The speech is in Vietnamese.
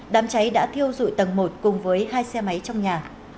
đám cháy đã thiêu dụi tầng một cùng với hai xe máy trong nhà